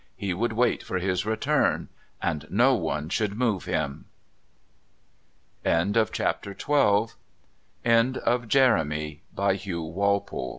He would wait for his return and no one should move him. End of the Project Gutenberg EBook of Jeremy, by Hugh Walp